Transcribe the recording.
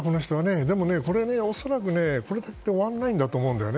でも恐らく、これで終わらないと思うんだよね。